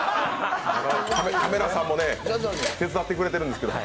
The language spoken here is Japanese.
カメラさんも手伝ってくれてるんですけど。